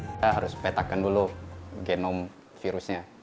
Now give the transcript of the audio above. kita harus petakan dulu genom virusnya